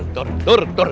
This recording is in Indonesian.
ini ini yang gue takutin